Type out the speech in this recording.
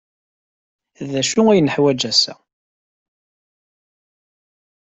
D acu ay neḥwaj ass-a?